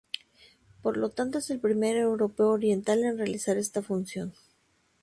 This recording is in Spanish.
Por lo tanto, es el primer europeo oriental en realizar esta función.